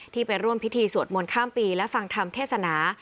ไปร่วมพิธีสวดมนต์ข้ามปีและฟังธรรมเทศนา